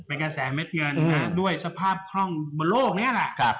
เป็นกระแสเม็ดเงินด้วยสภาพคล่องบนโลกนี้แหละ